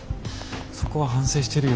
そこは反省してるよ。